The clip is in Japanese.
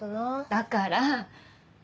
だから。